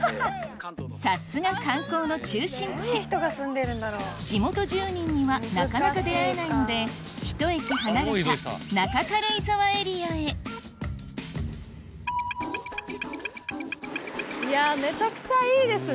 さすが観光の中心地地元住人にはなかなか出会えないのでひと駅離れた中軽井沢エリアへいやめちゃくちゃいいですね。